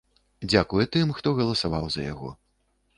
Дзякуе тым, хто галасаваў за яго.